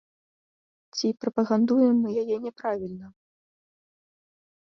Ці прапагандуем мы яе не правільна?